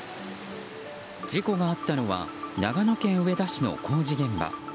事故があったのは長野県上田市の工事現場。